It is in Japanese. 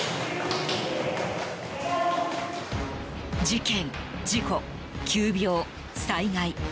事件、事故、急病、災害。